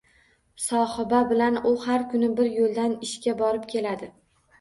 Sohiba bilan u har kuni bir yo`ldan ishga borib keladi